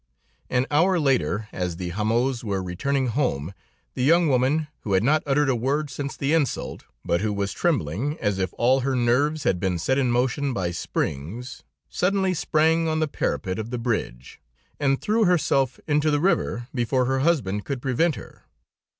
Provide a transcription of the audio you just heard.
"An hour later, as the Hamots were returning home, the young woman, who had not uttered a word since the insult, but who was trembling as if all her nerves had been set in motion by springs, suddenly sprang on the parapet of the bridge, and threw herself into the river, before her husband could prevent her.